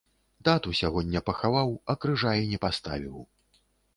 Тату сягоння пахаваў, а крыжа і не паставіў.